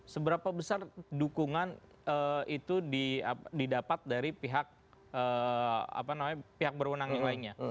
seberapa besar dukungan itu didapat dari pihak berwenang yang lainnya